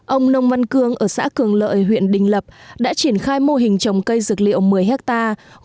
ông nông văn cương ở xã cường lợi huyện đình lập đã triển khai mô hình trồng cây dược liệu một mươi hectare